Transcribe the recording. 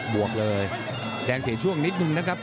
วกเลยแดงเสียช่วงนิดนึงนะครับ